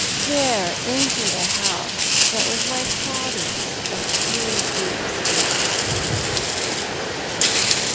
Dai e enter the house that was my father's a few years ago."